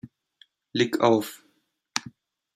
Lig" auf.